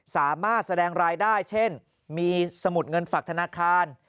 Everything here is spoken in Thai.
สามารถแสดงรายได้เช่นมีสมุดเงินฝากธนาคาร